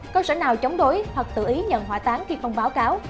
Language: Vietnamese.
cơ sở nào chống đối hoặc tự ý nhận hỏa táng khi không báo cáo